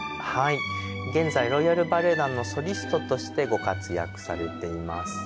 現在ロイヤル・バレエ団のソリストとしてご活躍されています。